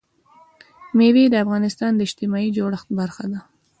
مېوې د افغانستان د اجتماعي جوړښت برخه ده.